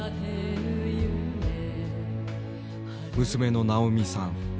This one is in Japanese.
娘の直美さん。